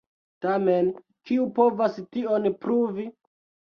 Tamen, kiu povas tion pruvi?